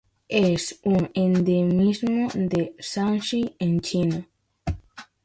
Es un endemismo de Shaanxi en China.